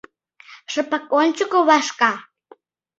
Шыпак ончыко вашка?